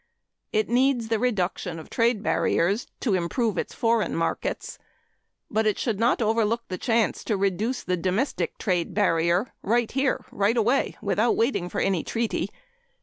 It needs the reduction of trade barriers to improve its foreign markets, but it should not overlook the chance to reduce the domestic trade barrier right here right away without waiting for any treaty.